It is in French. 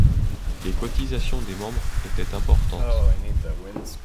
Les cotisations des membres étaient importantes.